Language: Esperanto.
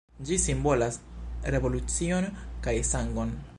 Ĝi simbolas revolucion kaj sangon.